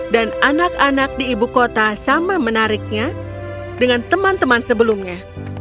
dan anak anak di ibu kota sama menariknya dengan teman teman sebelumnya